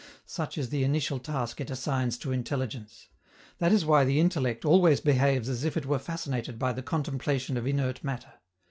Such is the initial task it assigns to intelligence. That is why the intellect always behaves as if it were fascinated by the contemplation of inert matter.